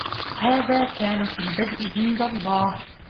هذا كان في البدء عند الله.